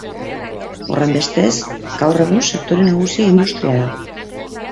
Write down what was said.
Horrenbestez, gaur egun sektore nagusia industria da.